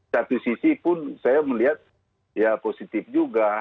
satu sisi pun saya melihat ya positif juga